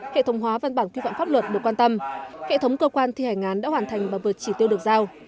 hệ thống hóa văn bản quy phạm pháp luật được quan tâm hệ thống cơ quan thi hành án đã hoàn thành và vượt chỉ tiêu được giao